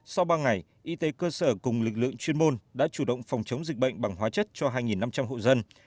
sau ba ngày y tế cơ sở cùng lực lượng chuyên môn đã chủ động phòng chống dịch bệnh bằng hóa chất cho hai năm trăm linh hộ dân